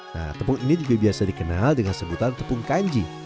nah tepung ini juga biasa dikenal dengan sebutan tepung kanji